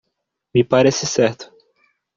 Me parece certo.